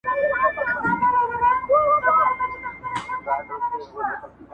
د کسبونو جایدادونو ګروېږني-